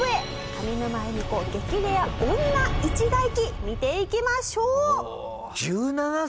「上沼恵美子激レア女一代記見ていきましょう」